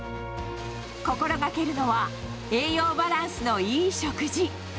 心がけるのは、栄養バランスのいい食事。